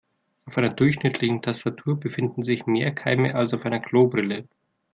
Auf einer durchschnittlichen Tastatur befinden sich mehr Keime als auf einer Klobrille.